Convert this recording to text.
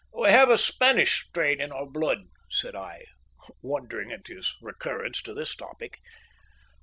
"We have a Spanish strain in our blood," said I, wondering at his recurrence to the topic.